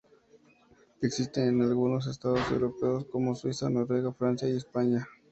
Existe en algunos estados europeos, como Suiza, Noruega, Francia y España.